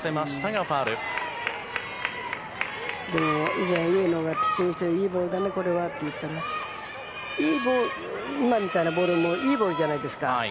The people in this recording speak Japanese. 以前、上野がピッチングしてていいボールだね、これはって言ってて今みたいなボールもいいボールじゃないですか。